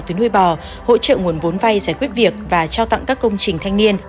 từ nuôi bò hỗ trợ nguồn vốn vay giải quyết việc và trao tặng các công trình thanh niên